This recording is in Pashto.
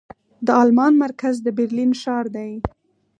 د المان مرکز د برلين ښار دې.